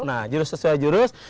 nah jurus sesuai jurus